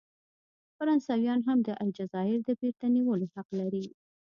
فرانسویان هم د الجزایر د بیرته نیولو حق لري.